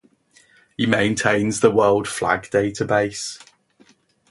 He maintains the World Flag Database.